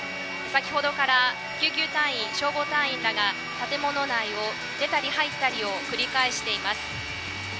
先ほどから救急隊員消防隊員らが建物内を出たり入ったりを繰り返しています。